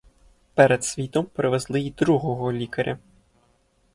Перед світом привезли й другого лікаря.